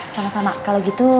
sama sama kalau gitu